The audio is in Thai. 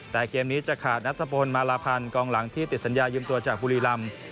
แต่เกมนี้จะขาดนัทพลมาลาพันธ์กองหลังที่ติดสัญญายืมตัวจากบุรีรำ